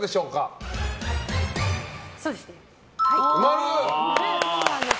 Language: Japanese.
そうですね。